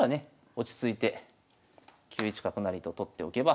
落ち着いて９一角成と取っておけば。